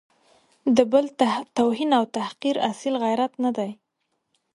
د بل توهین او تحقیر اصیل غیرت نه دی.